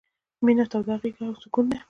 — مينه توده غېږه او سکون دی...